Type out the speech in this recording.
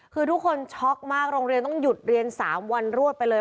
คือทุกคนช็อกมากโรงเรียนต้องหยุดเรียน๓วันรวดไปเลย